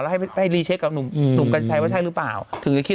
แล้วให้รีเช็คกับหนุ่มกัญชัยว่าใช่หรือเปล่าถึงจะคิด